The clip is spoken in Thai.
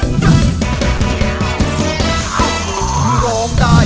โดยการแข่งขาวของทีมเด็กเสียงดีจำนวนสองทีม